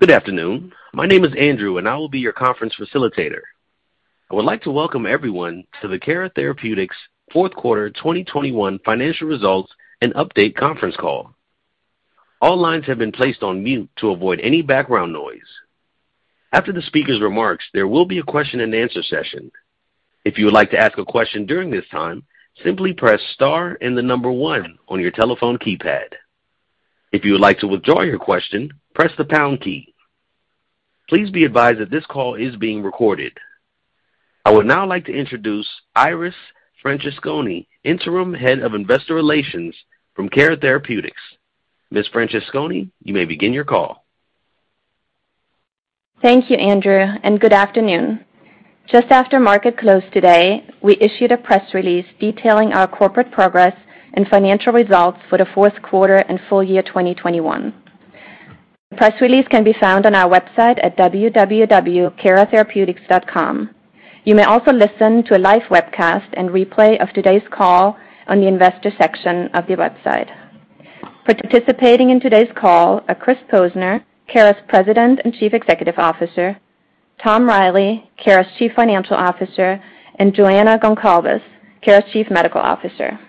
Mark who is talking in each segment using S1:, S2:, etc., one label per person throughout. S1: Good afternoon. My name is Andrew, and I will be your conference facilitator. I would like to welcome everyone to the Cara Therapeutics fourth quarter 2021 financial results and update conference call. All lines have been placed on mute to avoid any background noise. After the speaker's remarks, there will be a question-and-answer session. If you would like to ask a question during this time, simply press star and the number one on your telephone keypad. If you would like to withdraw your question, press the pound key. Please be advised that this call is being recorded. I would now like to introduce Iris Francesconi, Interim Head of Investor Relations from Cara Therapeutics. Ms. Francesconi, you may begin your call.
S2: Thank you, Andrew, and good afternoon. Just after market close today, we issued a press release detailing our corporate progress and financial results for the fourth quarter and full year 2021. The press release can be found on our website at www.caratherapeutics.com. You may also listen to a live webcast and replay of today's call on the investor section of the website. Participating in today's call are Chris Posner, Cara's President and Chief Executive Officer, Tom Reilly, Cara's Chief Financial Officer, and Joana Goncalves, Cara's Chief Medical Officer.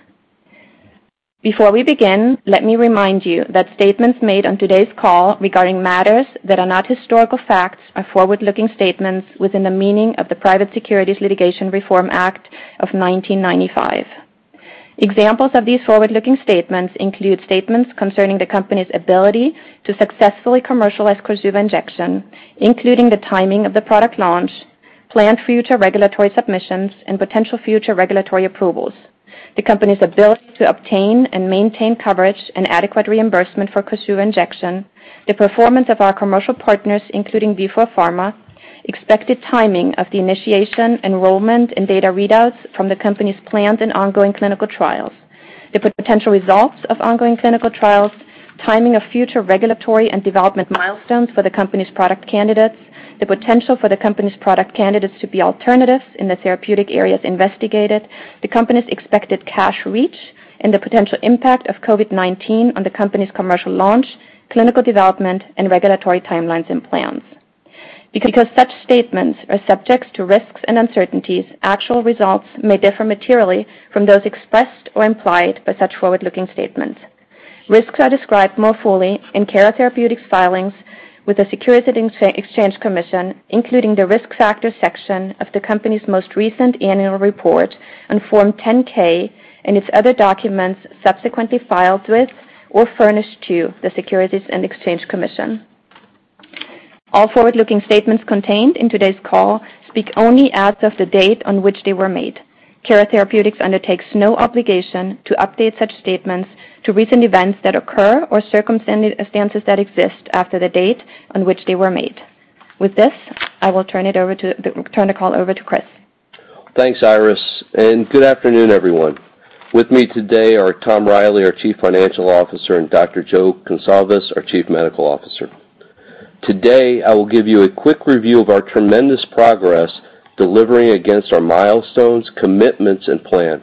S2: Before we begin, let me remind you that statements made on today's call regarding matters that are not historical facts are forward-looking statements within the meaning of the Private Securities Litigation Reform Act of 1995. Examples of these forward-looking statements include statements concerning the company's ability to successfully commercialize Korsuva Injection, including the timing of the product launch, planned future regulatory submissions, and potential future regulatory approvals, the company's ability to obtain and maintain coverage and adequate reimbursement for Korsuva Injection, the performance of our commercial partners, including Vifor Pharma, expected timing of the initiation, enrollment, and data readouts from the company's planned and ongoing clinical trials, the potential results of ongoing clinical trials, timing of future regulatory and development milestones for the company's product candidates, the potential for the company's product candidates to be alternatives in the therapeutic areas investigated, the company's expected cash reach, and the potential impact of COVID-19 on the company's commercial launch, clinical development, and regulatory timelines and plans. Because such statements are subject to risks and uncertainties, actual results may differ materially from those expressed or implied by such forward-looking statements. Risks are described more fully in Cara Therapeutics' filings with the Securities and Exchange Commission, including the Risk Factors section of the company's most recent annual report on Form 10-K and its other documents subsequently filed with or furnished to the Securities and Exchange Commission. All forward-looking statements contained in today's call speak only as of the date on which they were made. Cara Therapeutics undertakes no obligation to update such statements to recent events that occur or circumstances that exist after the date on which they were made. With this, I will turn the call over to Chris.
S3: Thanks, Iris, and good afternoon, everyone. With me today are Tom Reilly, our Chief Financial Officer, and Dr. Joana Goncalves, our Chief Medical Officer. Today, I will give you a quick review of our tremendous progress delivering against our milestones, commitments, and plan.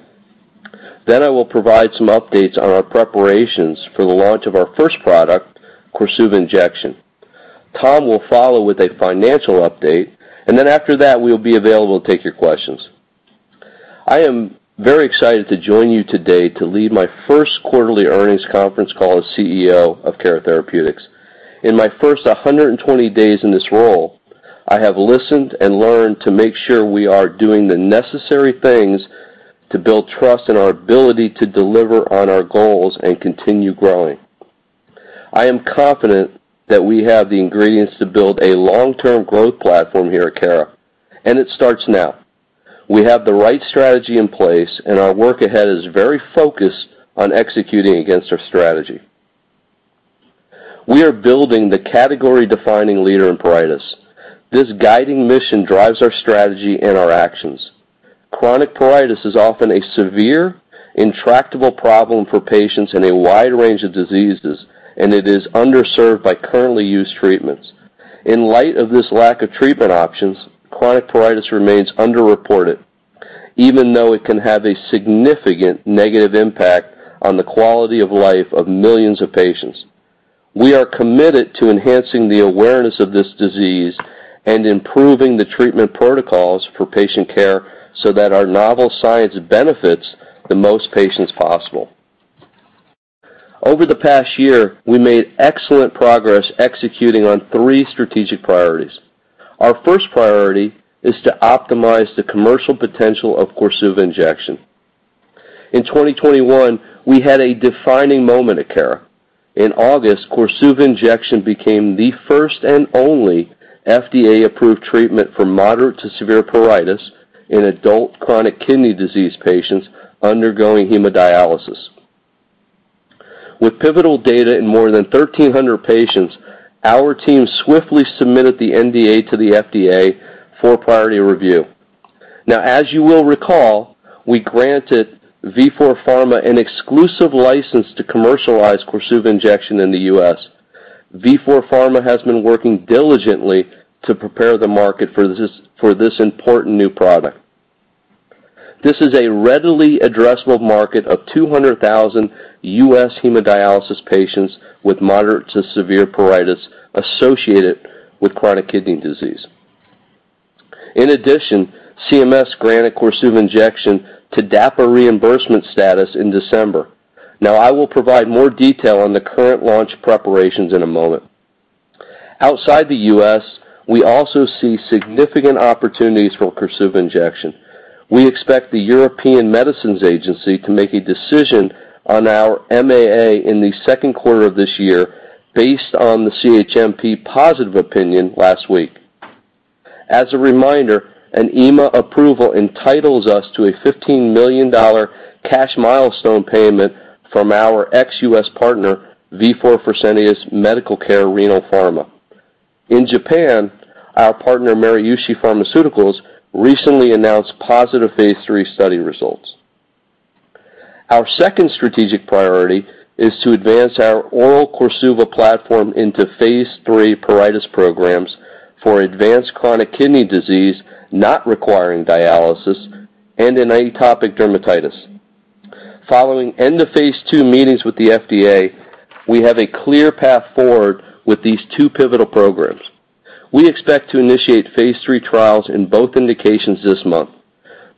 S3: I will provide some updates on our preparations for the launch of our first product, Korsuva Injection. Tom will follow with a financial update, and then after that, we'll be available to take your questions. I am very excited to join you today to lead my first quarterly earnings conference call as CEO of Cara Therapeutics. In my first 120 days in this role, I have listened and learned to make sure we are doing the necessary things to build trust in our ability to deliver on our goals and continue growing. I am confident that we have the ingredients to build a long-term growth platform here at Cara, and it starts now. We have the right strategy in place, and our work ahead is very focused on executing against our strategy. We are building the category-defining leader in pruritus. This guiding mission drives our strategy and our actions. Chronic pruritus is often a severe, intractable problem for patients in a wide range of diseases, and it is underserved by currently used treatments. In light of this lack of treatment options, chronic pruritus remains underreported, even though it can have a significant negative impact on the quality of life of millions of patients. We are committed to enhancing the awareness of this disease and improving the treatment protocols for patient care so that our novel science benefits the most patients possible. Over the past year, we made excellent progress executing on three strategic priorities. Our first priority is to optimize the commercial potential of Korsuva injection. In 2021, we had a defining moment at Cara. In August, Korsuva injection became the first and only FDA-approved treatment for moderate to severe pruritus in adult chronic kidney disease patients undergoing hemodialysis. With pivotal data in more than 1,300 patients, our team swiftly submitted the NDA to the FDA for priority review. Now, as you will recall, we granted Vifor Pharma an exclusive license to commercialize Korsuva injection in the U.S. Vifor Pharma has been working diligently to prepare the market for this important new product. This is a readily addressable market of 200,000 U.S. hemodialysis patients with moderate to severe pruritus associated with chronic kidney disease. In addition, CMS granted Korsuva injection TDAPA reimbursement status in December. Now, I will provide more detail on the current launch preparations in a moment. Outside the U.S., we also see significant opportunities for Korsuva injection. We expect the European Medicines Agency to make a decision on our MAA in the second quarter of this year based on the CHMP positive opinion last week. As a reminder, an EMA approval entitles us to a $15 million cash milestone payment from our ex-U.S. partner, Vifor Fresenius Medical Care Renal Pharma. In Japan, our partner, Maruishi Pharmaceuticals, recently announced positive phase III study results. Our second strategic priority is to advance our oral Korsuva platform into phase III pruritus programs for advanced chronic kidney disease not requiring dialysis and in atopic dermatitis. Following end of phase II meetings with the FDA, we have a clear path forward with these two pivotal programs. We expect to initiate phase III trials in both indications this month.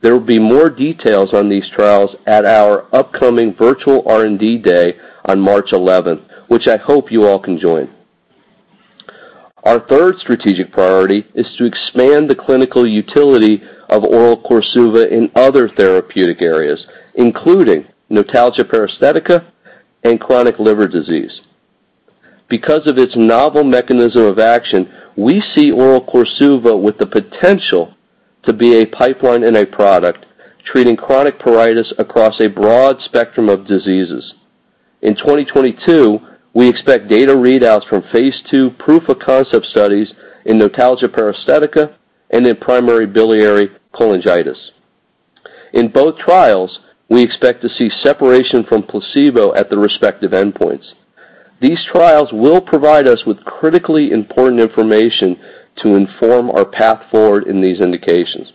S3: There will be more details on these trials at our upcoming virtual R&D day on March 11th, which I hope you all can join. Our third strategic priority is to expand the clinical utility of oral Korsuva in other therapeutic areas, including Notalgia Paresthetica and chronic liver disease. Because of its novel mechanism of action, we see oral Korsuva with the potential to be a pipeline and a product treating chronic pruritus across a broad spectrum of diseases. In 2022, we expect data readouts from phase II proof of concept studies in Notalgia Paresthetica and in primary biliary cholangitis. In both trials, we expect to see separation from placebo at the respective endpoints. These trials will provide us with critically important information to inform our path forward in these indications.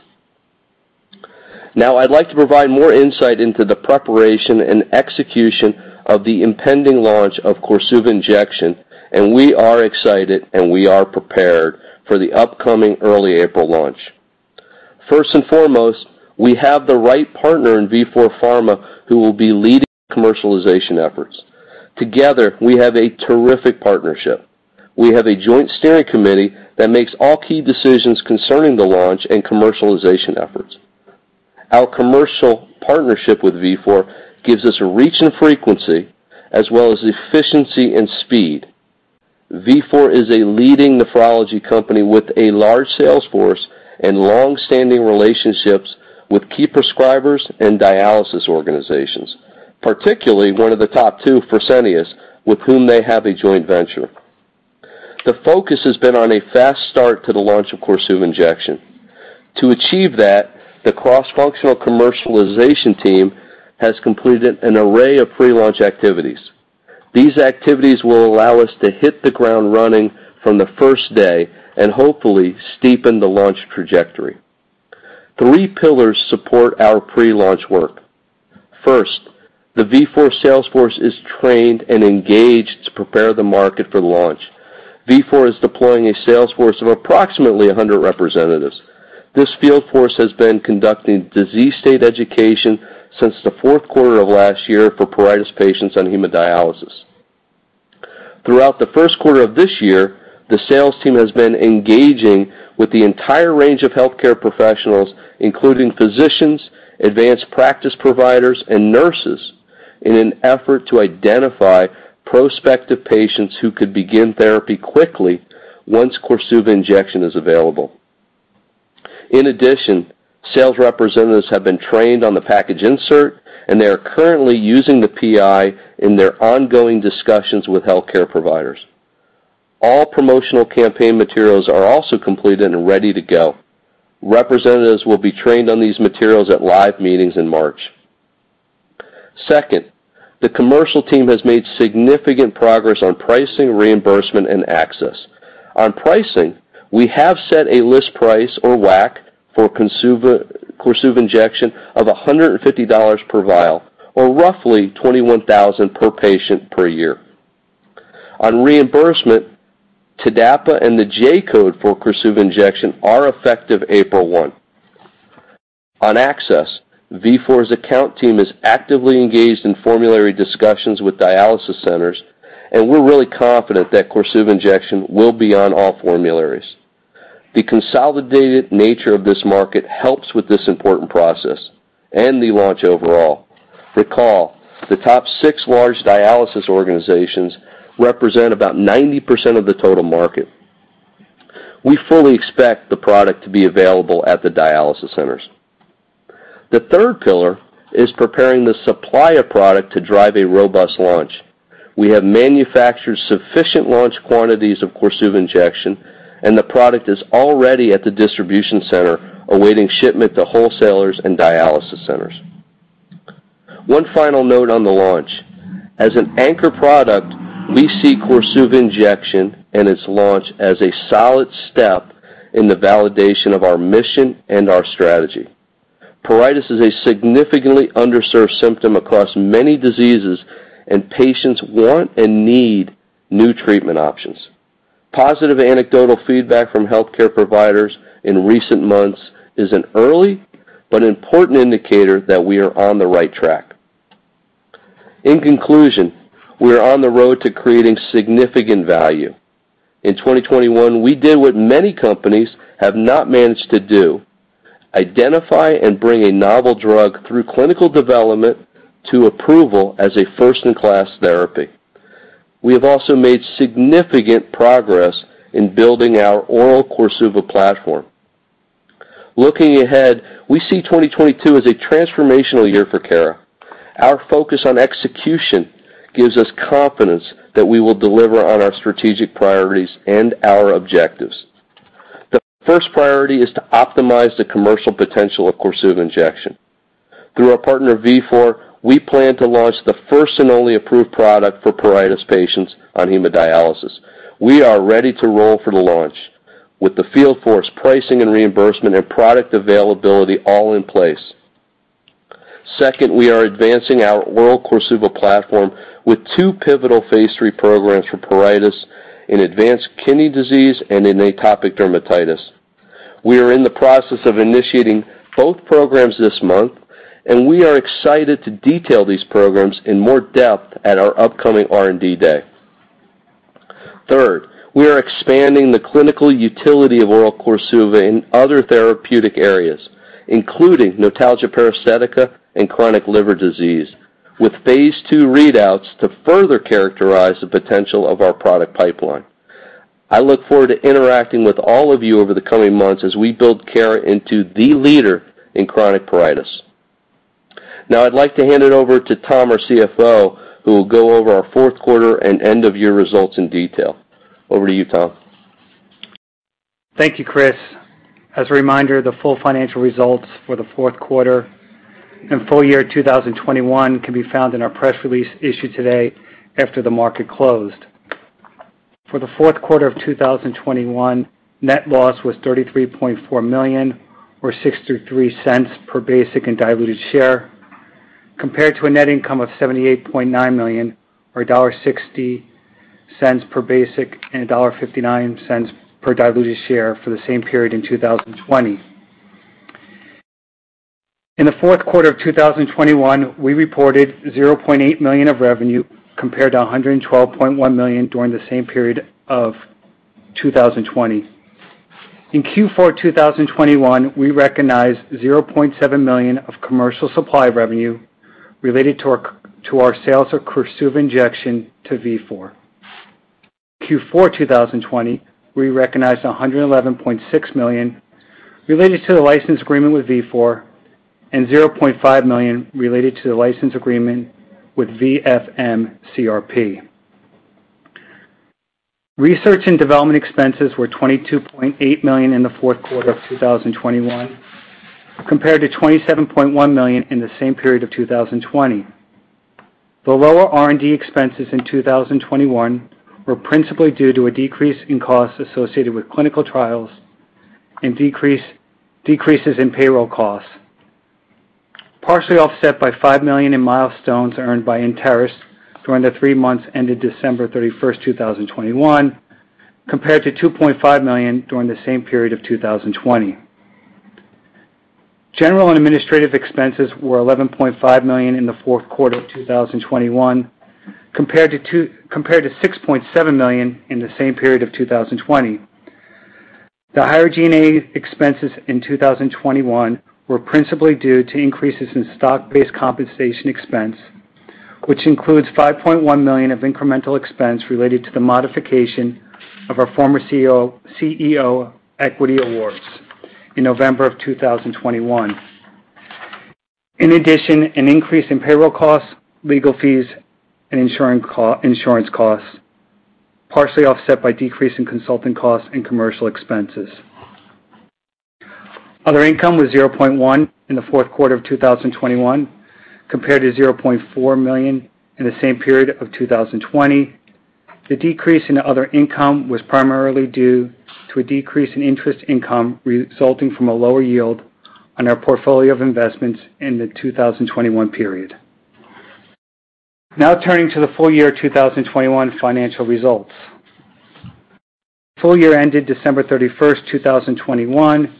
S3: Now, I'd like to provide more insight into the preparation and execution of the impending launch of Korsuva injection, and we are excited, and we are prepared for the upcoming early April launch. First and foremost, we have the right partner in Vifor Pharma who will be leading commercialization efforts. Together, we have a terrific partnership. We have a joint steering committee that makes all key decisions concerning the launch and commercialization efforts. Our commercial partnership with Vifor gives us reach and frequency as well as efficiency and speed. Vifor is a leading nephrology company with a large sales force and long-standing relationships with key prescribers and dialysis organizations, particularly one of the top two, Fresenius, with whom they have a joint venture. The focus has been on a fast start to the launch of Korsuva injection. To achieve that, the cross-functional commercialization team has completed an array of pre-launch activities. These activities will allow us to hit the ground running from the first day and hopefully steepen the launch trajectory. Three pillars support our pre-launch work. First, the Vifor sales force is trained and engaged to prepare the market for launch. Vifor is deploying a sales force of approximately 100 representatives. This field force has been conducting disease state education since the fourth quarter of last year for pruritus patients on hemodialysis. Throughout the first quarter of this year, the sales team has been engaging with the entire range of healthcare professionals, including physicians, advanced practice providers, and nurses in an effort to identify prospective patients who could begin therapy quickly once Korsuva injection is available. In addition, sales representatives have been trained on the package insert, and they are currently using the PI in their ongoing discussions with healthcare providers. All promotional campaign materials are also completed and ready to go. Representatives will be trained on these materials at live meetings in March. Second, the commercial team has made significant progress on pricing, reimbursement, and access. On pricing, we have set a list price or WAC for Korsuva injection of $150 per vial or roughly $21,000 per patient per year. On reimbursement, TDAPA and the J-code for Korsuva injection are effective April 1. On access, Vifor's account team is actively engaged in formulary discussions with dialysis centers, and we're really confident that Korsuva injection will be on all formularies. The consolidated nature of this market helps with this important process and the launch overall. Recall, the top six large dialysis organizations represent about 90% of the total market. We fully expect the product to be available at the dialysis centers. The third pillar is preparing the supply of product to drive a robust launch. We have manufactured sufficient launch quantities of Korsuva injection, and the product is already at the distribution center awaiting shipment to wholesalers and dialysis centers. One final note on the launch. As an anchor product, we see Korsuva injection and its launch as a solid step in the validation of our mission and our strategy. Pruritus is a significantly underserved symptom across many diseases, and patients want and need new treatment options. Positive anecdotal feedback from healthcare providers in recent months is an early but important indicator that we are on the right track. In conclusion, we are on the road to creating significant value. In 2021, we did what many companies have not managed to do, identify and bring a novel drug through clinical development to approval as a first-in-class therapy. We have also made significant progress in building our oral Korsuva platform. Looking ahead, we see 2022 as a transformational year for Cara. Our focus on execution gives us confidence that we will deliver on our strategic priorities and our objectives. The first priority is to optimize the commercial potential of Korsuva injection. Through our partner Vifor, we plan to launch the first and only approved product for pruritus patients on hemodialysis. We are ready to roll for the launch with the field force, pricing and reimbursement, and product availability all in place. Second, we are advancing our oral Korsuva platform with two pivotal phase III programs for pruritus in advanced kidney disease and in atopic dermatitis. We are in the process of initiating both programs this month, and we are excited to detail these programs in more depth at our upcoming R&D day. Third, we are expanding the clinical utility of oral Korsuva in other therapeutic areas, including notalgia paresthetica and chronic liver disease, with phase II readouts to further characterize the potential of our product pipeline. I look forward to interacting with all of you over the coming months as we build Cara into the leader in chronic pruritus. Now I'd like to hand it over to Tom, our CFO, who will go over our fourth quarter and end-of-year results in detail. Over to you, Tom.
S4: Thank you, Chris. As a reminder, the full financial results for the fourth quarter and full year 2021 can be found in our press release issued today after the market closed. For the fourth quarter of 2021, net loss was $33.4 million or $0.63 per basic and diluted share, compared to a net income of $78.9 million or $1.60 per basic and $1.59 per diluted share for the same period in 2020. In the fourth quarter of 2021, we reported $0.8 million of revenue compared to $112.1 million during the same period of 2020. In Q4 2021, we recognized $0.7 million of commercial supply revenue related to our sales of Korsuva injection to Vifor. Q4 2020, we recognized $111.6 million related to the license agreement with Vifor and $0.5 million related to the license agreement with VFMCRP. Research and development expenses were $22.8 million in the fourth quarter of 2021, compared to $27.1 million in the same period of 2020. The lower R&D expenses in 2021 were principally due to a decrease in costs associated with clinical trials and decreases in payroll costs, partially offset by $5 million in milestones earned by Enteris during the three months ended December 31st, 2021, compared to $2.5 million during the same period of 2020. General and administrative expenses were $11.5 million in the fourth quarter of 2021 compared to $6.7 million in the same period of 2020. The higher G&A expenses in 2021 were principally due to increases in stock-based compensation expense, which includes $5.1 million of incremental expense related to the modification of our former CEO equity awards in November 2021. In addition, an increase in payroll costs, legal fees, and insurance costs, partially offset by decrease in consulting costs and commercial expenses. Other income was $0.1 million in the fourth quarter of 2021, compared to $0.4 million in the same period of 2020. The decrease in other income was primarily due to a decrease in interest income resulting from a lower yield on our portfolio of investments in the 2021 period. Now turning to the full year 2021 financial results. Full year ended December 31st, 2021,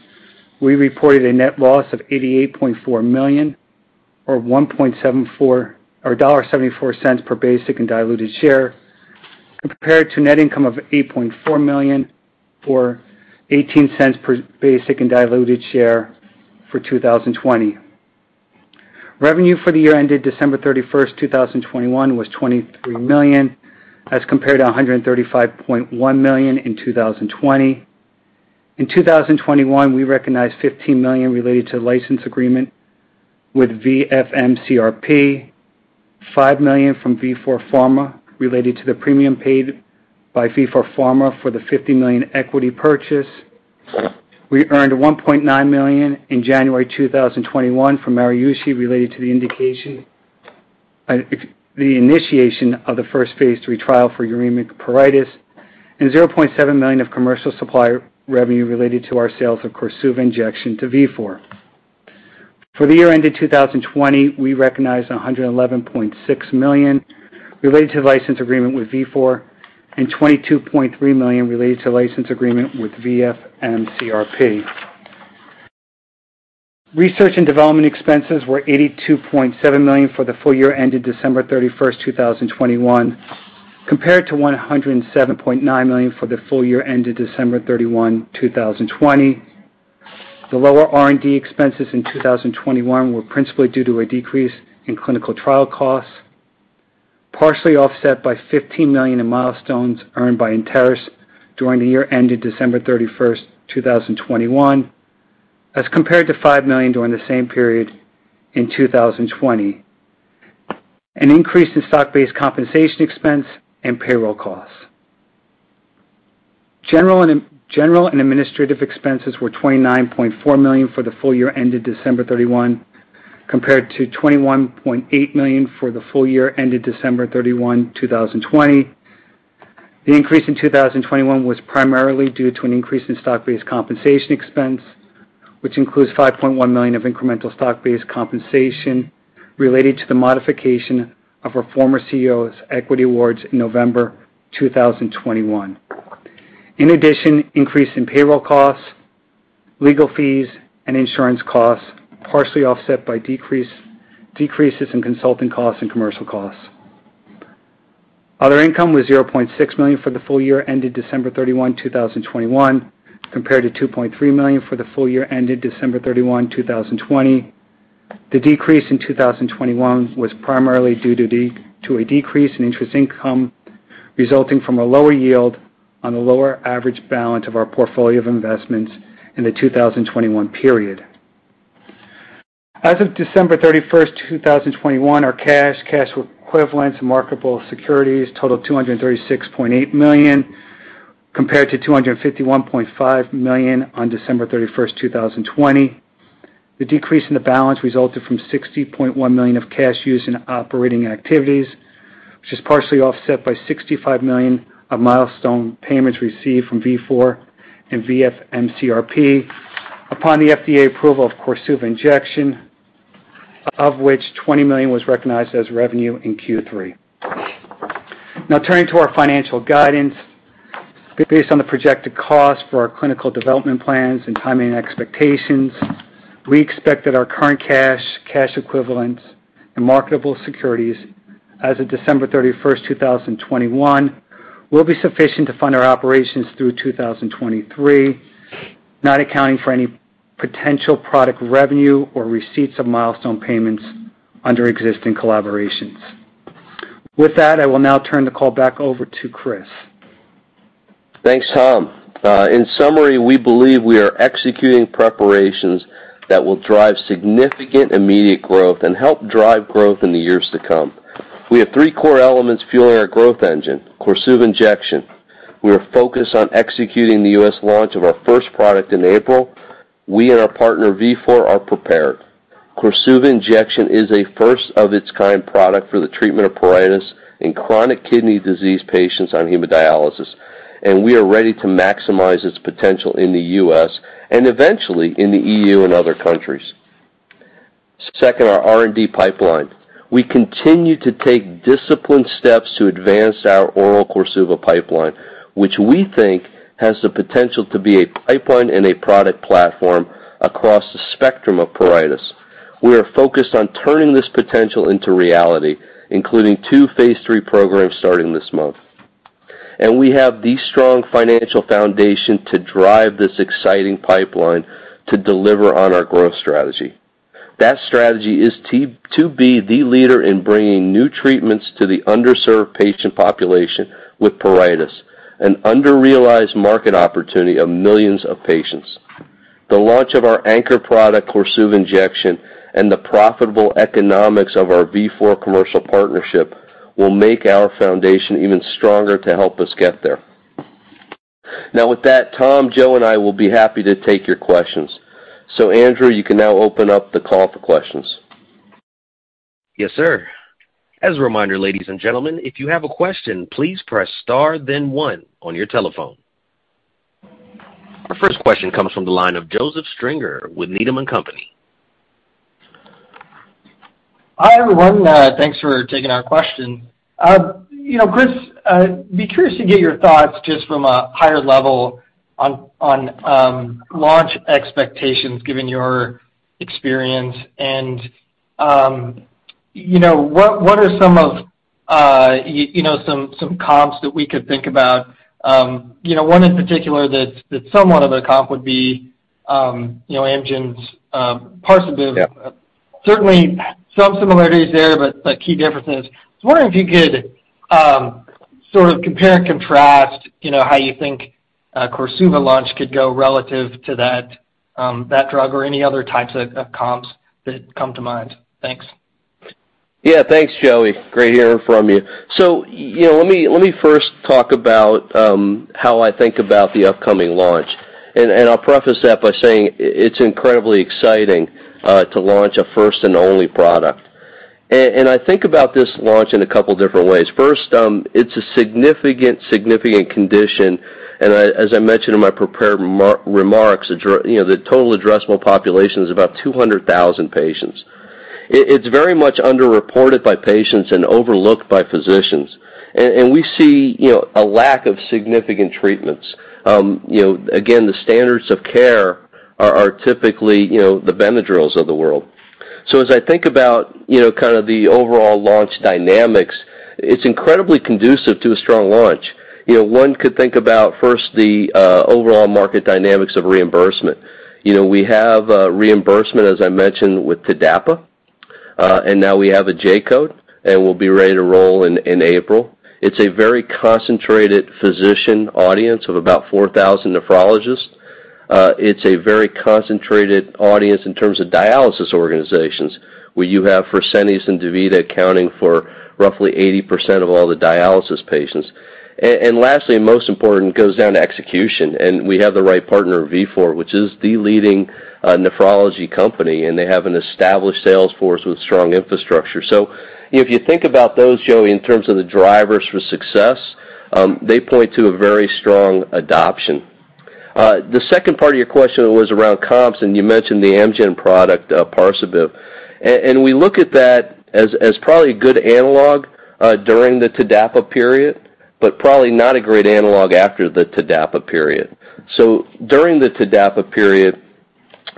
S4: we reported a net loss of $88.4 million or $1.74 per basic and diluted share compared to net income of $88.4 million or $0.18 per basic and diluted share for 2020. Revenue for the year ended December 31st, 2021 was $23 million as compared to $135.1 million in 2020. In 2021, we recognized $15 million related to license agreement with VFMCRP. $5 million from Vifor Pharma related to the premium paid by Vifor Pharma for the $50 million equity purchase. We earned $1.9 million in January 2021 from Maruishi related to the initiation of the first phase III trial for uremic pruritus and $0.7 million of commercial supply revenue related to our sales of Korsuva injection to Vifor. For the year ended 2020, we recognized $111.6 million related to the license agreement with Vifor and $22.3 million related to the license agreement with VFMCRP. Research and development expenses were $82.7 million for the full year ended December 31st, 2021, compared to $107.9 million for the full year ended December 31, 2020. The lower R&D expenses in 2021 were principally due to a decrease in clinical trial costs, partially offset by $15 million in milestones earned by Enteris during the year ended December 31st, 2021, as compared to $5 million during the same period in 2020, an increase in stock-based compensation expense and payroll costs. General and administrative expenses were $29.4 million for the full year ended December 31, 2021, compared to $21.8 million for the full year ended December 31, 2020. The increase in 2021 was primarily due to an increase in stock-based compensation expense, which includes $5.1 million of incremental stock-based compensation related to the modification of our former CEO's equity awards in November 2021. In addition, an increase in payroll costs, legal fees, and insurance costs, partially offset by decreases in consulting costs and commercial costs. Other income was $0.6 million for the full year ended December 31, 2021, compared to $2.3 million for the full year ended December 31, 2020. The decrease in 2021 was primarily due to a decrease in interest income resulting from a lower yield on the lower average balance of our portfolio of investments in the 2021 period. As of December 31st, 2021, our cash equivalents, and marketable securities totaled $236.8 million, compared to $251.5 million on December 31st, 2020. The decrease in the balance resulted from $60.1 million of cash used in operating activities, which is partially offset by $65 million of milestone payments received from Vifor and VFMCRP upon the FDA approval of Korsuva injection, of which $20 million was recognized as revenue in Q3. Now turning to our financial guidance. Based on the projected cost for our clinical development plans and timing expectations, we expect that our current cash equivalents, and marketable securities as of December 31st, 2021, will be sufficient to fund our operations through 2023, not accounting for any potential product revenue or receipts of milestone payments under existing collaborations. With that, I will now turn the call back over to Chris.
S3: Thanks, Tom. In summary, we believe we are executing preparations that will drive significant immediate growth and help drive growth in the years to come. We have three core elements fueling our growth engine. Korsuva injection. We are focused on executing the U.S. launch of our first product in April. We and our partner, Vifor, are prepared. Korsuva injection is a first of its kind product for the treatment of pruritus in chronic kidney disease patients on hemodialysis, and we are ready to maximize its potential in the U.S. and eventually in the EU and other countries. Second, our R&D pipeline. We continue to take disciplined steps to advance our oral Korsuva pipeline, which we think has the potential to be a pipeline and a product platform across the spectrum of pruritus. We are focused on turning this potential into reality, including two phase III programs starting this month. We have the strong financial foundation to drive this exciting pipeline to deliver on our growth strategy. That strategy is to be the leader in bringing new treatments to the underserved patient population with pruritus, an under-realized market opportunity of millions of patients. The launch of our anchor product, Korsuva injection, and the profitable economics of our Vifor commercial partnership will make our foundation even stronger to help us get there. Now, with that, Tom, Joe, and I will be happy to take your questions. Andrew, you can now open up the call for questions.
S1: Yes, sir. As a reminder, ladies and gentlemen, if you have a question, please press star then one on your telephone. Our first question comes from the line of Joseph Stringer with Needham & Company.
S5: Hi, everyone. Thanks for taking our question. You know, Chris, I'd be curious to get your thoughts just from a higher level on launch expectations given your experience and, you know, what are some comps that we could think about? You know, one in particular that's somewhat of a comp would be Amgen's Parsabiv.
S3: Yeah.
S5: Certainly some similarities there, but key differences. I was wondering if you could sort of compare and contrast, you know, how you think Korsuva launch could go relative to that drug or any other types of comps that come to mind. Thanks.
S3: Yeah. Thanks, Joey. Great hearing from you. You know, let me first talk about how I think about the upcoming launch, and I'll preface that by saying it's incredibly exciting to launch a first and only product. I think about this launch in a couple different ways. First, it's a significant condition, and I, as I mentioned in my prepared remarks, you know, the total addressable population is about 200,000 patients. It's very much underreported by patients and overlooked by physicians. We see you know a lack of significant treatments. You know, again, the standards of care are typically you know the Benadryls of the world. As I think about you know kind of the overall launch dynamics, it's incredibly conducive to a strong launch. You know, one could think about first the overall market dynamics of reimbursement. You know, we have reimbursement, as I mentioned, with TDAPA, and now we have a J-code, and we'll be ready to roll in April. It's a very concentrated physician audience of about 4,000 nephrologists. It's a very concentrated audience in terms of dialysis organizations, where you have Fresenius and DaVita accounting for roughly 80% of all the dialysis patients. Lastly, most important, it goes down to execution, and we have the right partner in Vifor, which is the leading nephrology company, and they have an established sales force with strong infrastructure. If you think about those, Joey, in terms of the drivers for success, they point to a very strong adoption. The second part of your question was around comps, and you mentioned the Amgen product, Parsabiv. We look at that as probably a good analog during the TDAPA period, but probably not a great analog after the TDAPA period. During the TDAPA period,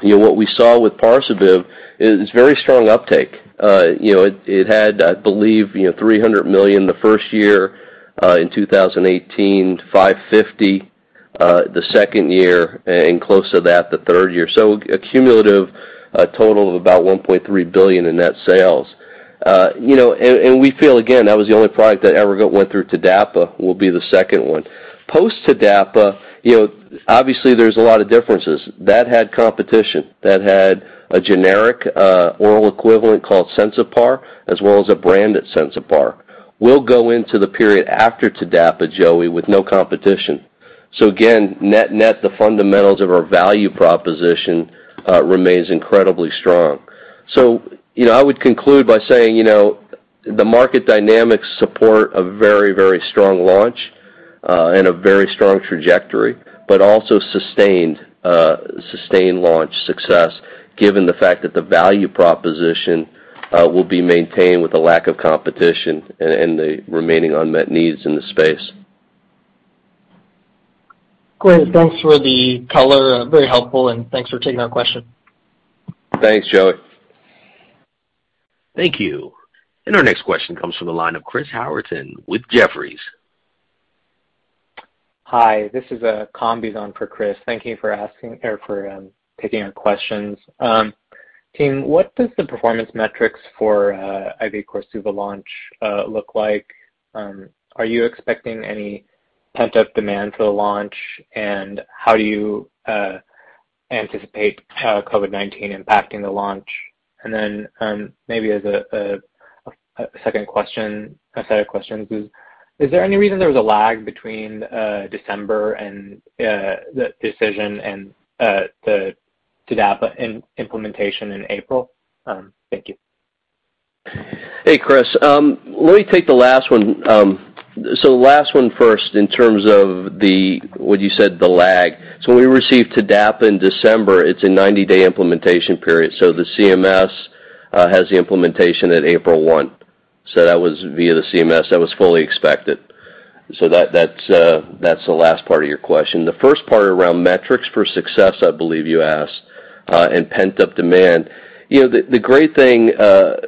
S3: you know, what we saw with Parsabiv is very strong uptake. You know, it had, I believe, you know, $300 million the first year in 2018 to $550 million the second year, and close to that the third year. A cumulative total of about $1.3 billion in net sales. You know, we feel again that was the only product that ever went through TDAPA. We'll be the second one. Post-TDAPA, you know, obviously there's a lot of differences. That had competition. That had a generic oral equivalent called Sensipar, as well as a branded Sensipar. We'll go into the period after TDAPA, Joseph, with no competition. Again, net-net, the fundamentals of our value proposition remains incredibly strong. You know, I would conclude by saying, you know, the market dynamics support a very, very strong launch and a very strong trajectory, but also sustained launch success, given the fact that the value proposition will be maintained with a lack of competition and the remaining unmet needs in the space.
S5: Great. Thanks for the color. Very helpful, and thanks for taking our question.
S3: Thanks, Joey.
S1: Thank you. Our next question comes from the line of Chris Howerton with Jefferies.
S6: Hi, this is Kambiz on for Chris. Thank you for taking our questions. Team, what does the performance metrics for IV Korsuva launch look like? Are you expecting any pent-up demand for the launch? How do you anticipate COVID-19 impacting the launch? Then, maybe as a second question, a set of questions is there any reason there was a lag between December and the decision and the TDAPA implementation in April? Thank you.
S3: Hey, Chris. Let me take the last one. The last one first in terms of the, what you said, the lag. When we received TDAPA in December, it's a 90-day implementation period. The CMS has the implementation at April 1. That was via the CMS. That was fully expected. That's the last part of your question. The first part around metrics for success, I believe you asked, and pent-up demand. You know, the great thing,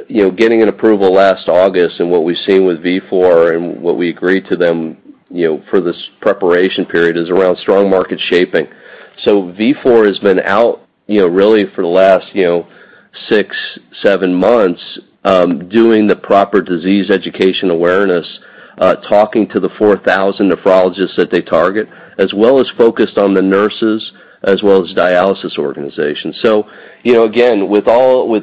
S3: you know, getting an approval last August and what we've seen with Vifor and what we agreed to them, you know, for this preparation period is around strong market shaping. Vifor has been out, you know, really for the last, you know, six-seven months, doing the proper disease education awareness, talking to the 4,000 nephrologists that they target, as well as focused on the nurses, as well as dialysis organizations. With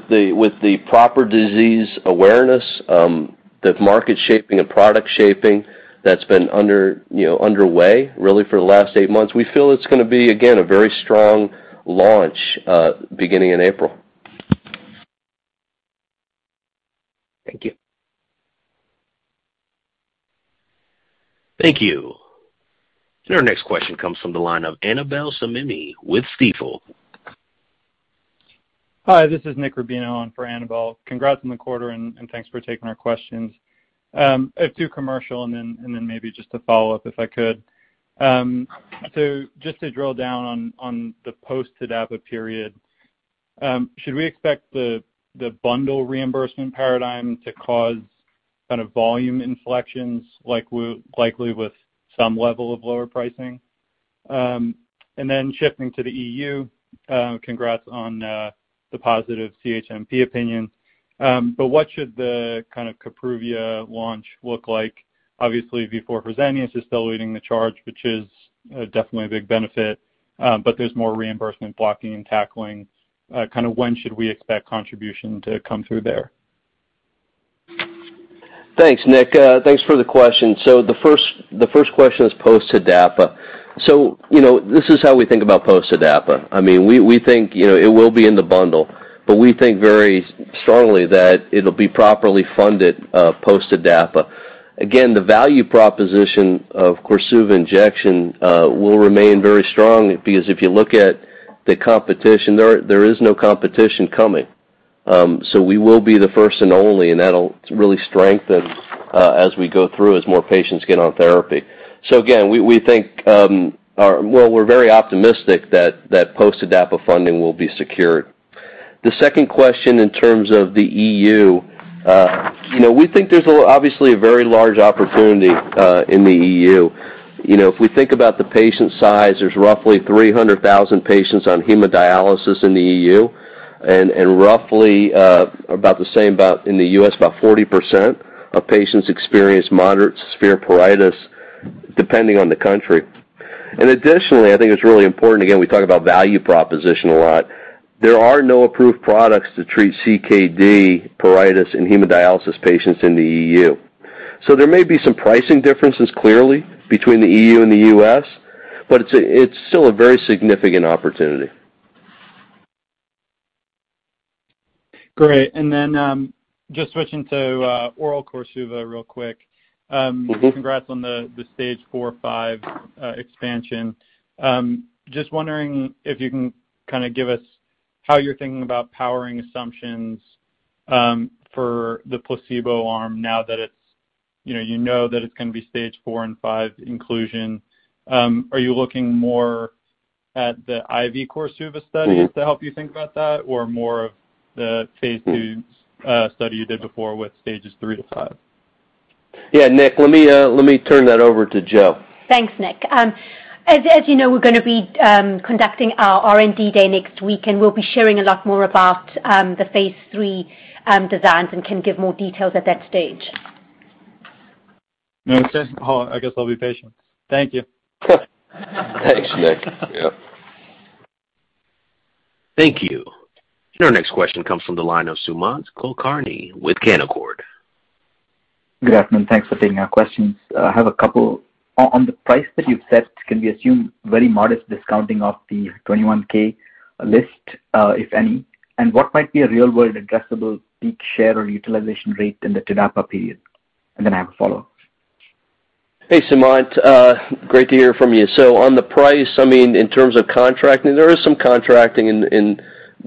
S3: the proper disease awareness, the market shaping and product shaping that's been underway really for the last 8 months, we feel it's gonna be, again, a very strong launch beginning in April.
S6: Thank you.
S1: Thank you. Our next question comes from the line of Annabel Samimy with Stifel.
S7: Hi, this is Nick Rubino on for Annabel. Congrats on the quarter and thanks for taking our questions. I have two commercial and then maybe just a follow-up if I could. So just to drill down on the post-TDAPA period, should we expect the bundle reimbursement paradigm to cause kind of volume inflections, likely with some level of lower pricing? Shifting to the EU, congrats on the positive CHMP opinion. What should the kind of Kapruvia launch look like? Obviously, Vifor Fresenius is still leading the charge, which is definitely a big benefit, but there's more reimbursement blocking and tackling. Kind of when should we expect contribution to come through there?
S3: Thanks, Nick. Thanks for the question. The first question is post-TDAPA. This is how we think about post-TDAPA. We think it will be in the bundle, but we think very strongly that it'll be properly funded post-TDAPA. Again, the value proposition of Korsuva injection will remain very strong because if you look at the competition, there is no competition coming. We will be the first and only, and that'll really strengthen as we go through, as more patients get on therapy. We're very optimistic that post-TDAPA funding will be secured. The second question in terms of the EU, we think there's obviously a very large opportunity in the EU. You know, if we think about the patient size, there's roughly 300,000 patients on hemodialysis in the EU and roughly about the same in the U.S., about 40% of patients experience moderate severe pruritus depending on the country. Additionally, I think it's really important, again, we talk about value proposition a lot. There are no approved products to treat CKD pruritus in hemodialysis patients in the EU. There may be some pricing differences clearly between the EU and the U.S., but it's still a very significant opportunity.
S7: Great. Just switching to oral Korsuva real quick.
S3: Mm-hmm.
S7: Congrats on the stage 4/5 expansion. Just wondering if you can kinda give us how you're thinking about powering assumptions for the placebo arm now that it's, you know that it's gonna be stage 4 and 5 inclusion. Are you looking more at the IV Korsuva studies-
S3: Mm-hmm....
S7: to help you think about that or more of the phase II study you did before with stages 3-5?
S3: Yeah. Nick, let me turn that over to Jo.
S8: Thanks, Nick. As you know, we're gonna be conducting our R&D day next week, and we'll be sharing a lot more about the phase III designs and can give more details at that stage.
S7: Makes sense. Hold on. I guess I'll be patient. Thank you.
S3: Thanks, Nick. Yeah.
S1: Thank you. Our next question comes from the line of Sumant Kulkarni with Canaccord.
S9: Good afternoon. Thanks for taking our questions. I have a couple. On the price that you've set, can we assume very modest discounting of the $21K list, if any? And what might be a real-world addressable peak share or utilization rate in the TDAPA period? And then I have a follow-up.
S3: Hey, Sumant. Great to hear from you. On the price, I mean, in terms of contracting, there is some contracting in the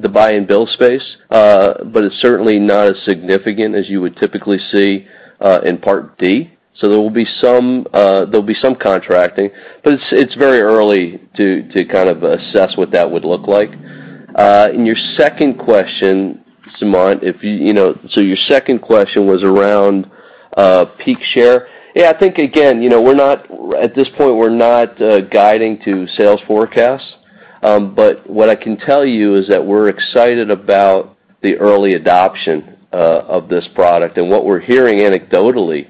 S3: buy and bill space, but it's certainly not as significant as you would typically see in Part D. There will be some contracting, but it's very early to kind of assess what that would look like. In your second question, Sumant, you know, your second question was around peak share. Yeah, I think again, you know, at this point, we're not guiding to sales forecasts. But what I can tell you is that we're excited about the early adoption of this product. What we're hearing anecdotally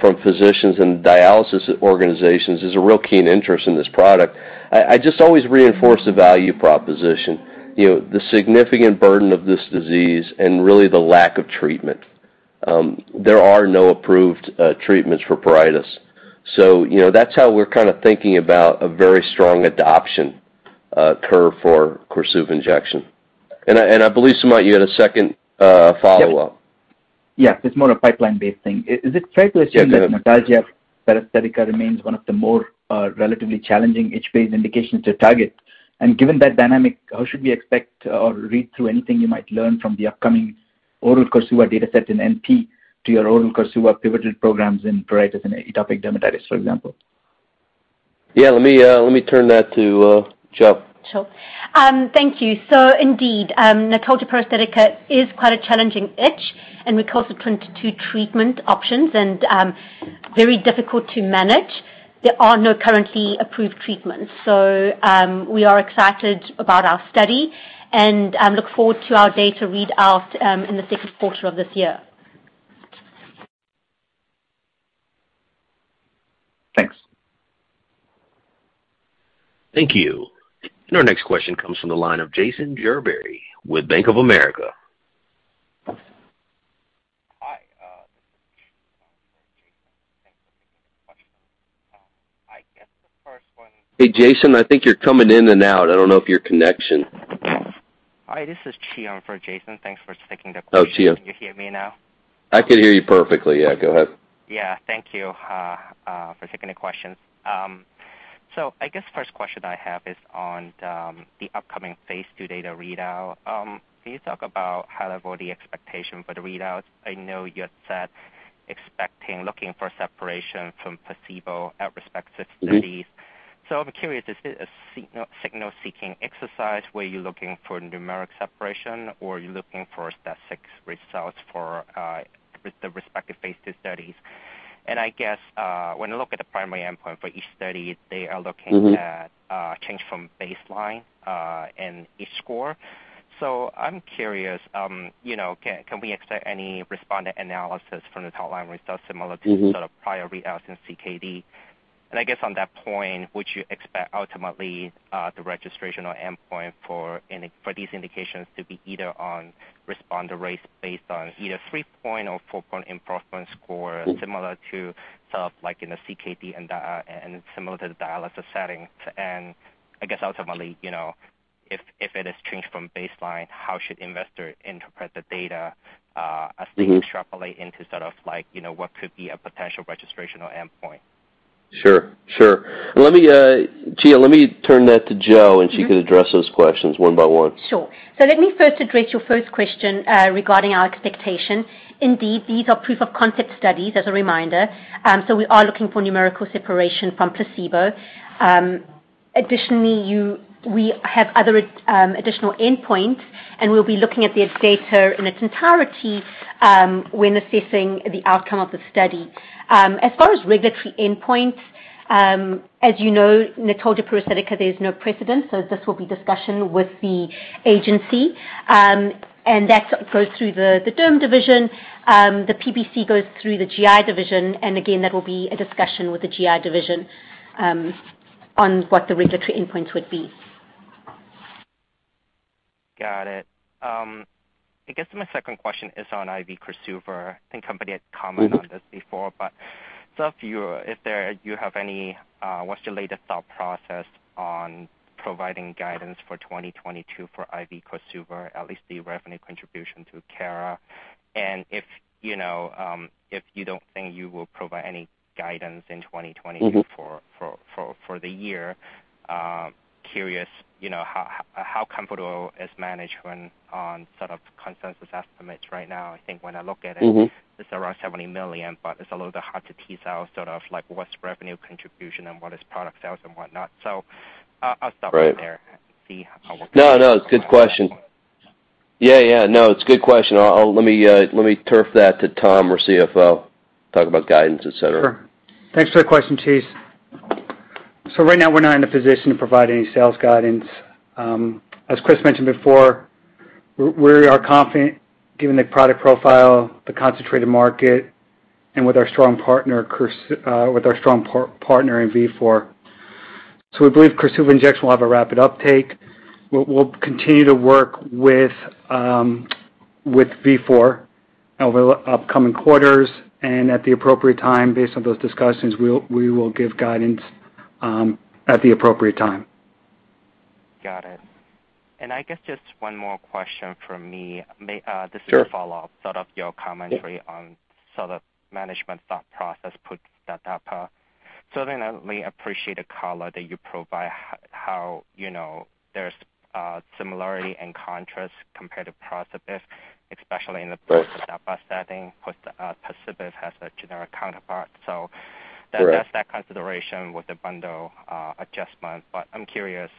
S3: from physicians and dialysis organizations is a real keen interest in this product. I just always reinforce the value proposition, you know, the significant burden of this disease and really the lack of treatment. There are no approved treatments for pruritus. You know, that's how we're kinda thinking about a very strong adoption curve for Korsuva injection. I believe, Sumant, you had a second follow-up.
S9: Yes. Yeah, it's more a pipeline-based thing. Is it fair to assume?
S3: Yeah, go ahead.
S9: that Notalgia Paresthetica remains one of the more relatively challenging CKD-aP indications to target? And given that dynamic, how should we expect or read through anything you might learn from the upcoming oral Korsuva dataset in NP to your oral Korsuva pivotal programs in pruritus and atopic dermatitis, for example?
S3: Yeah. Let me turn that to Jo.
S8: Sure. Thank you. Indeed, Notalgia Paresthetica is quite a challenging itch, and we call it the 22 treatment options and very difficult to manage. There are no currently approved treatments. We are excited about our study and look forward to our data readout in the second quarter of this year.
S9: Thanks.
S1: Thank you. Our next question comes from the line of Jason Gerberry with Bank of America.
S10: Hi, this is Chi for Jason. Thanks for taking the question. I guess the first one.
S3: Hey, Jason, I think you're coming in and out. I don't know of your connection.
S10: Hi, this is Chi. I'm for Jason. Thanks for taking the question.
S3: Oh, Chi.
S10: Can you hear me now?
S3: I can hear you perfectly. Yeah, go ahead.
S10: Yeah. Thank you for taking the questions. I guess first question I have is on the upcoming phase II data readout. Can you talk about high-level the expectation for the readout? I know you had said expecting, looking for separation from placebo at respective studies.
S3: Mm-hmm.
S10: I'm curious, is it a signal-seeking exercise where you're looking for numeric separation, or are you looking for statistical results for the respective phase II studies? I guess when you look at the primary endpoint for each study, they are looking-
S3: Mm-hmm....
S10: that change from baseline in each score. I'm curious, you know, can we expect any responder analysis from the top-line results similar to-
S3: Mm-hmm....
S10: sort of prior reanalysis of CKD? I guess on that point, would you expect ultimately the registrational endpoint for these indications to be either on responder rates based on either three-point or four-point improvement score similar to sort of like in the CKD and dialysis and similar to the dialysis setting? I guess ultimately, you know, if it has changed from baseline, how should investors interpret the data?
S3: Mm-hmm.
S10: As they extrapolate into sort of like, you know, what could be a potential registrational endpoint?
S3: Sure. Let me, Chi, let me turn that to Jo, and she could address those questions one by one.
S8: Sure. Let me first address your first question regarding our expectation. Indeed, these are proof of concept studies as a reminder, we are looking for numerical separation from placebo. Additionally, we have other additional endpoint, and we'll be looking at the data in its entirety when assessing the outcome of the study. As far as regulatory endpoint, as you know, Notalgia Paresthetica because there's no precedent, this will be discussion with the agency. That goes through the derm division. The PBC goes through the GI division, and again, that will be a discussion with the GI division on what the regulatory endpoints would be.
S10: Got it. I guess my second question is on IV Korsuva. I think the company had commented on this before, but if you have any, what's your latest thought process on providing guidance for 2022 for IV Korsuva, at least the revenue contribution to Cara? And if, you know, if you don't think you will provide any guidance in 2024-
S3: Mm-hmm....
S10: for the year, curious, you know, how comfortable is management on sort of consensus estimates right now? I think when I look at it-
S3: Mm-hmm....
S10: it's around $70 million, but it's a little bit hard to tease out sort of like what's revenue contribution and what is product sales and whatnot. I'll stop you there.
S3: Right.
S10: See how.
S3: No, it's a good question. Yeah. Let me turf that to Tom, our CFO, talk about guidance, et cetera.
S4: Sure. Thanks for the question, Chi. Right now we're not in a position to provide any sales guidance. As Chris mentioned before, we are confident given the product profile, the concentrated market, and with our strong partner in Vifor. We believe Korsuva injection will have a rapid uptake. We'll continue to work with Vifor over the upcoming quarters, and at the appropriate time, based on those discussions, we will give guidance at the appropriate time.
S10: Got it. I guess just one more question from me. May.
S3: Sure.
S10: This is a follow-up. Sort of your commentary on sort of management thought process on the TDAPA. Certainly appreciate the color that you provide. How, you know, there's similarity and contrast compared to Parsabiv, especially in the post TDAPA setting. Parsabiv has a generic counterpart.
S3: Right.
S10: There's that consideration with the bundle adjustment. I'm curious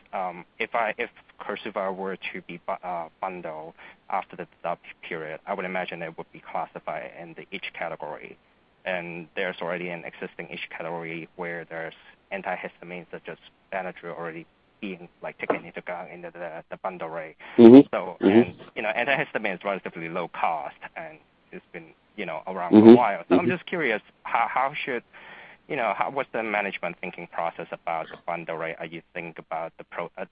S10: if Korsuva were to be bundled after the TDAPA period, I would imagine it would be classified in the ESRD category. There's already an existing ESRD category where there's antihistamines such as Benadryl already being like taken into the bundle rate.
S3: Mm-hmm. Mm-hmm.
S10: You know, antihistamine is relatively low cost and it's been, you know, around for a while.
S3: Mm-hmm. Mm-hmm.
S10: I'm just curious how should, you know, how what's the management thinking process about the bundle rate? Are you think about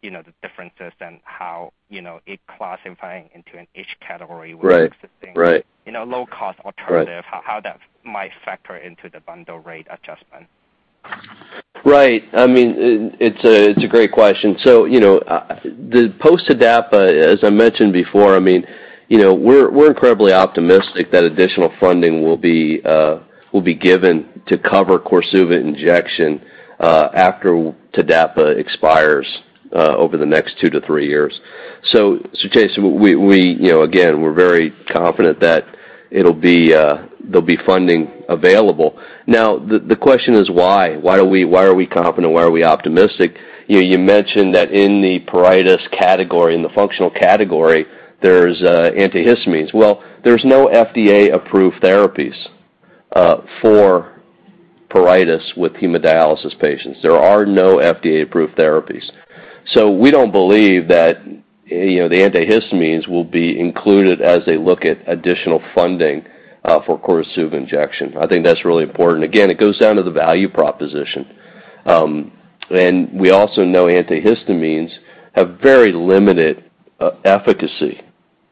S10: you know, the differences and how, you know, it classifying into an each category with existing-
S3: Right. Right.......
S10: you know low cost alternative.
S3: Right.
S10: How that might factor into the bundle rate adjustment?
S3: Right. I mean, it's a great question. You know, the post-TDAPA, as I mentioned before, I mean, you know, we're incredibly optimistic that additional funding will be given to cover Korsuva injection after TDAPA expires over the next two to three years. Chase, we you know, again, we're very confident that there'll be funding available. Now, the question is why? Why are we confident and why are we optimistic? You know, you mentioned that in the pruritus category, in the functional category, there's antihistamines. Well, there's no FDA-approved therapies for pruritus with hemodialysis patients. There are no FDA-approved therapies. We don't believe that you know, the antihistamines will be included as they look at additional funding for Korsuva injection. I think that's really important. Again, it goes down to the value proposition. We also know antihistamines have very limited efficacy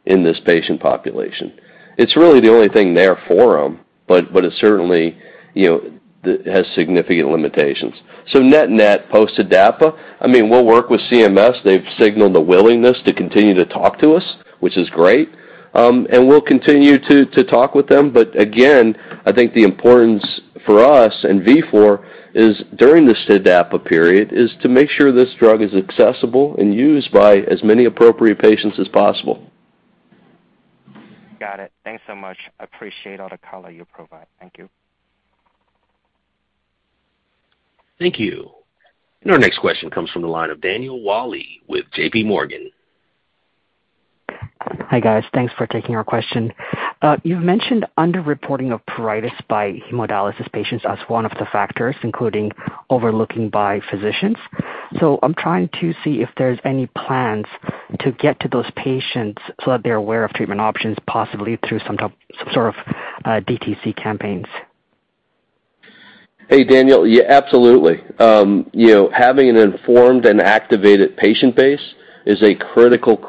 S3: in this patient population. It's really the only thing there for them, but it certainly, you know, has significant limitations. Net-net post TDAPA, I mean, we'll work with CMS. They've signaled the willingness to continue to talk to us, which is great. We'll continue to talk with them, but again, I think the importance for us and Vifor is during this TDAPA period is to make sure this drug is accessible and used by as many appropriate patients as possible.
S10: Got it. Thanks so much. Appreciate all the color you provide. Thank you.
S1: Thank you. Our next question comes from the line of Daniel Wolle with JPMorgan.
S11: Hi, guys. Thanks for taking our question. You've mentioned under-reporting of pruritus by hemodialysis patients as one of the factors, including overlooking by physicians. I'm trying to see if there's any plans to get to those patients so that they're aware of treatment options, possibly through some sort of DTC campaigns.
S3: Hey, Daniel. Yeah, absolutely. You know, having an informed and activated patient base is a critical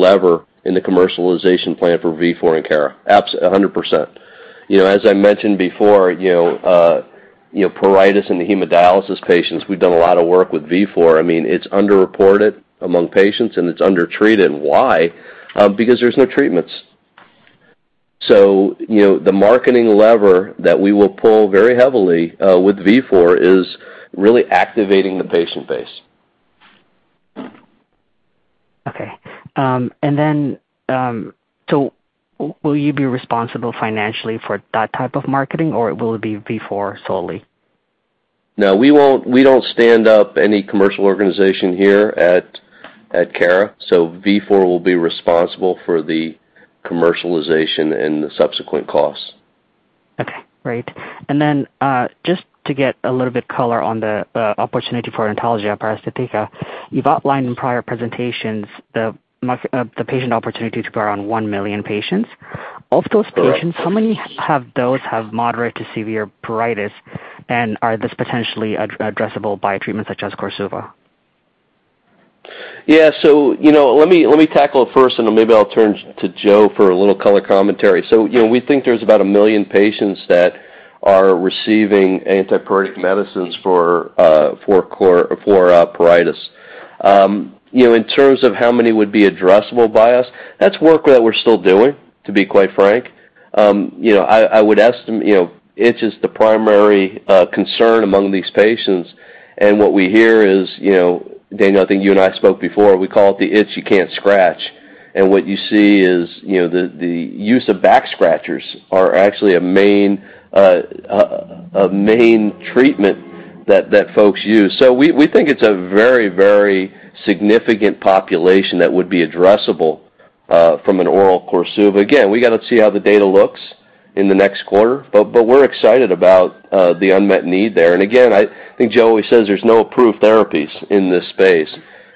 S3: lever in the commercialization plan for Vifor and Cara. 100%. You know, as I mentioned before, you know, pruritus in the hemodialysis patients, we've done a lot of work with Vifor. I mean, it's under-reported among patients, and it's under-treated. Why? Because there's no treatments. You know, the marketing lever that we will pull very heavily with Vifor is really activating the patient base.
S11: Will you be responsible financially for that type of marketing, or will it be Vifor solely?
S3: No, we won't. We don't stand up any commercial organization here at Cara. Vifor will be responsible for the commercialization and the subsequent costs.
S11: Just to get a little bit of color on the opportunity for Notalgia Paresthetica, you've outlined in prior presentations the patient opportunity is around 1 million patients. Of those patients, how many of those have moderate to severe pruritus, and is this potentially addressable by a treatment such as Korsuva?
S3: Yeah. You know, let me tackle it first, and then maybe I'll turn to Jo for a little color commentary. You know, we think there's about 1 million patients that are receiving antipruritic medicines for pruritus. You know, in terms of how many would be addressable by us, that's work that we're still doing, to be quite frank. You know, I would estimate, you know, itch is the primary concern among these patients, and what we hear is, you know, Daniel, I think you and I spoke before, we call it the itch you can't scratch. What you see is, you know, the use of back scratchers are actually a main treatment that folks use. We think it's a very, very significant population that would be addressable from an oral Korsuva. Again, we gotta see how the data looks in the next quarter, but we're excited about the unmet need there. Again, I think Jo always says there's no approved therapies in this space,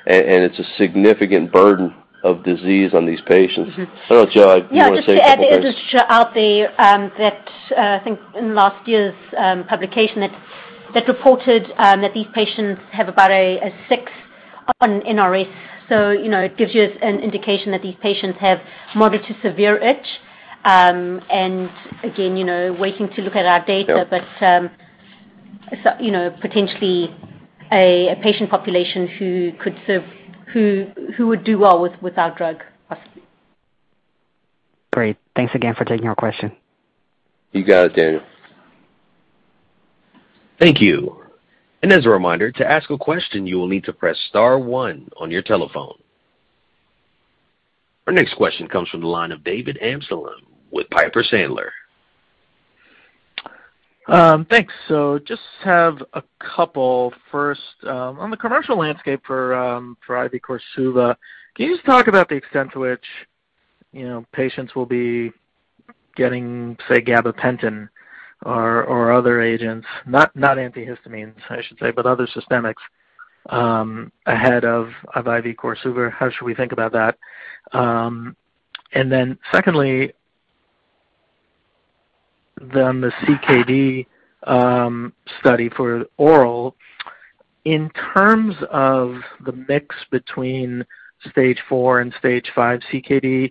S3: and it's a significant burden of disease on these patients.
S8: Mm-hmm.
S3: I don't know, Jo, you wanna say a few words?
S8: Yeah, just to add, I think in last year's publication that reported that these patients have about a six on NRS. So, you know, it gives you an indication that these patients have moderate to severe itch. Again, you know, waiting to look at our data.
S3: Yeah.
S8: You know, potentially a patient population who would do well with our drug possibly.
S11: Great. Thanks again for taking our question.
S3: You got it, Daniel Wolle.
S1: Thank you. As a reminder, to ask a question, you will need to press star one on your telephone. Our next question comes from the line of David Amsellem with Piper Sandler.
S12: Thanks. So just have a couple. First, on the commercial landscape for IV Korsuva, can you just talk about the extent to which, you know, patients will be getting, say, gabapentin or other agents, not antihistamines, I should say, but other systemics, ahead of IV Korsuva? How should we think about that? Secondly, the CKD study for oral, in terms of the mix between stage four and stage five CKD,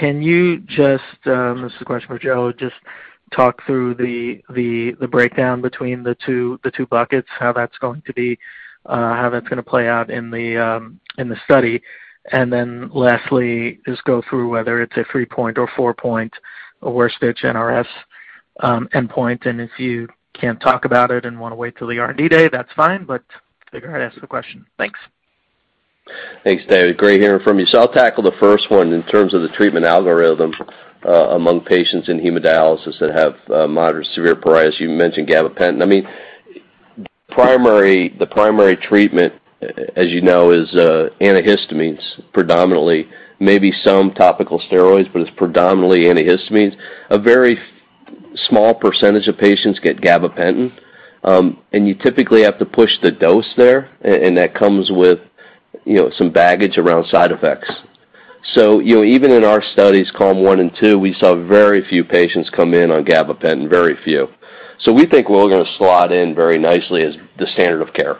S12: can you just, this is a question for Jo, just talk through the breakdown between the two buckets, how that's going to be, how that's gonna play out in the study. Lastly, just go through whether it's a three-point or four-point worst itch NRS endpoint. If you can't talk about it and wanna wait till the R&D day, that's fine, but figure I'd ask the question. Thanks.
S3: Thanks, David. Great hearing from you. I'll tackle the first one. In terms of the treatment algorithm, among patients in hemodialysis that have moderate severe pruritus, you mentioned gabapentin. I mean, the primary treatment, as you know, is antihistamines predominantly, maybe some topical steroids, but it's predominantly antihistamines. A very small percentage of patients get gabapentin. And you typically have to push the dose there and that comes with, you know, some baggage around side effects. You know, even in our studies KALM-1 and KALM-2, we saw very few patients come in on gabapentin, very few. We think we're gonna slot in very nicely as the standard of care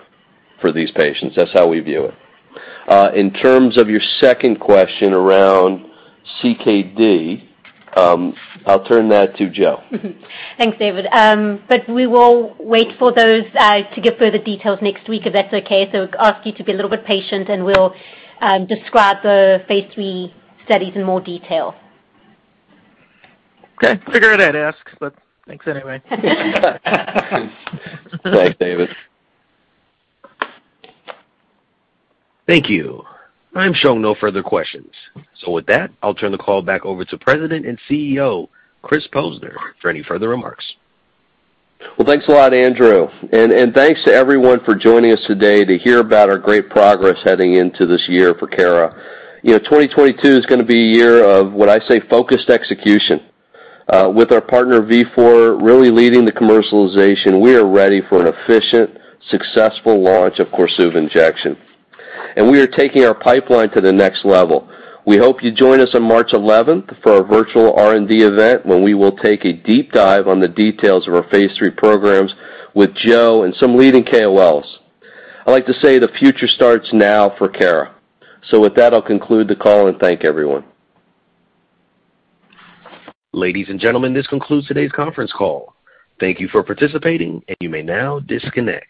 S3: for these patients. That's how we view it. In terms of your second question around CKD, I'll turn that to Jo.
S8: Mm-hmm. Thanks, David. We will wait for those to give further details next week, if that's okay. I ask you to be a little bit patient, and we'll describe the phase III studies in more detail.
S12: Okay. Figure I'd ask, but thanks anyway.
S3: Thanks, David.
S1: Thank you. I'm showing no further questions. With that, I'll turn the call back over to President and CEO, Christopher Posner, for any further remarks.
S3: Well, thanks a lot, Andrew. Thanks to everyone for joining us today to hear about our great progress heading into this year for Cara. You know, 2022 is gonna be a year of, what I say, focused execution. With our partner, Vifor, really leading the commercialization, we are ready for an efficient, successful launch of Korsuva injection. We are taking our pipeline to the next level. We hope you join us on March 11th for our virtual R&D event, when we will take a deep dive on the details of our phase III programs with Jo and some leading KOLs. I like to say the future starts now for Cara. With that, I'll conclude the call and thank everyone.
S1: Ladies and gentlemen, this concludes today's conference call. Thank you for participating, and you may now disconnect.